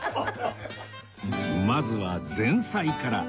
まずは前菜から